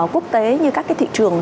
quốc tế như các cái thị trường